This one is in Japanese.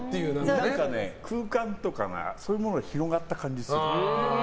何かね、空間とかそういうのが広がった感じがする。